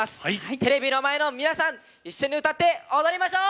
テレビの前の皆さん一緒に歌って踊りましょう！